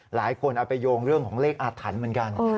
หลายคนเอาไปโยงเรื่องของเลขอาถรรพ์เหมือนกัน